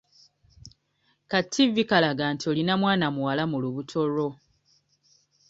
Ka ttivi kalaga nti olina mwana muwala mu lubuto lwo.